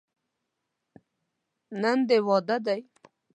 نن دې واده دی.